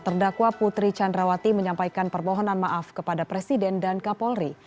terdakwa putri candrawati menyampaikan permohonan maaf kepada presiden dan kapolri